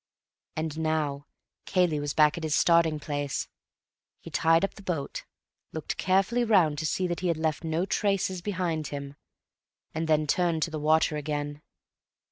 And now Cayley was back at his starting place. He tied up the boat, looked carefully round to see that he had left no traces behind him, and then turned to the water again.